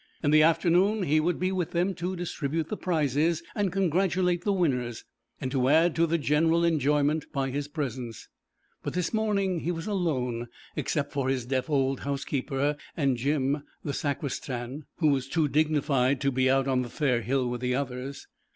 In the afternoon he would be with them to distribute the prizes and congratulate the winners, and to add to the general enjoyment by his presence; but this morning he was alone, except for his deaf old housekeeper, and Jim the sacristan, who was too dignified to be out on the Fair Hill with the others.